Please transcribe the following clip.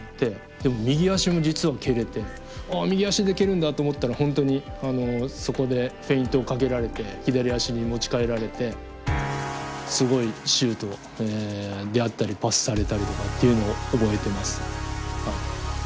でも右足も実は蹴れて「あ右足で蹴るんだ」と思ったら本当にそこでフェイントをかけられて左足に持ち替えられてすごいシュートであったりパスされたりとかというのを覚えてます。